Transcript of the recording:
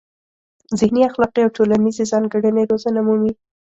ذهني، اخلاقي او ټولنیزې ځانګړنې روزنه مومي.